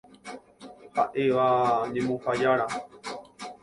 Ha'éva ñemuha jára.